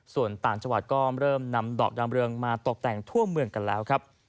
ส่วนต่างจังหวัดก็เริ่มนำดอกดามเรืองมาตกแต่งทั่วเมืองกันแล้วครับ